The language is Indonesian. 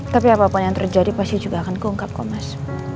tapi apapun yang terjadi pasti juga akan keungkap kok mas